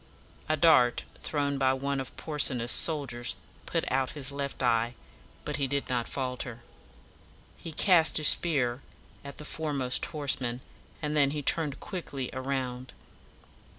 A dart thrown by one of Porsena's soldiers put out his left eye; but he did not falter. He cast his spear at the fore most horseman, and then he turned quickly around.